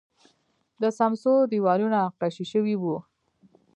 د سمڅو دیوالونه نقاشي شوي وو